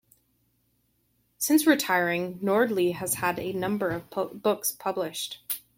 Since retiring, Nordli has had a number of books published.